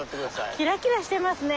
キラキラしてますね。